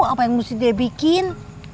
dia tau apa yang mesti dia bikin